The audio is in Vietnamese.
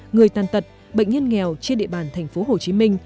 người tàn tật bệnh nhân nghèo trên địa bàn thành phố hồ chí minh